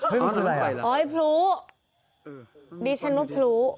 เฮ้ยมันเป็นอะไรอ่ะโอ้ยผู้ดิชนุภรู